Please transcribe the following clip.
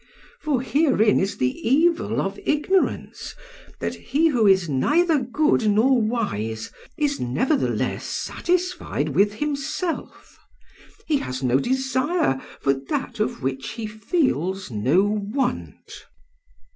For herein is the evil of ignorance, that he who is neither good nor wise is nevertheless satisfied with himself: he has no desire for that of which he feels no want.'